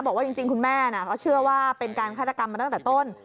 บอกว่าจริงคุณแม่ก็เชื่อว่าเป็นการฆาตกรรมมาตั้งแต่ต้น